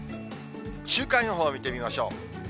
週間予報を見てみましょう。